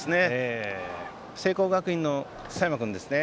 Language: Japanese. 聖光学院の佐山くんですね。